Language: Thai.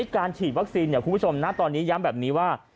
การฉีดวัคซีนคุณผู้ชมนะตอนนี้ย้ำแบบนี้ว่า